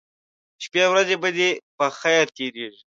شپې ورځې به دې په خیر تیریږي